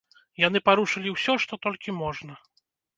Яны парушылі ўсё, што толькі можна.